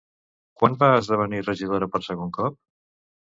Quan va esdevenir regidora per segon cop?